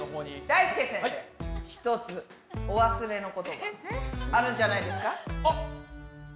ひとつお忘れのことがあるんじゃないですか？